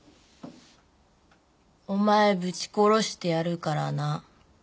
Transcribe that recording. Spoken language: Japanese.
「おまえぶち殺してやるからな！」